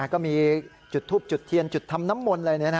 ก็มีจุดทูบจุดเทียนจุดทำน้ำมนต์อะไร